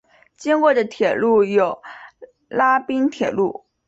经过的铁路有拉滨铁路。